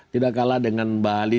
tidak kalah dengan bali